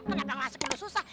kenapa ngasih ke lu susah